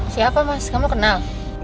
siapa mas kamu kenal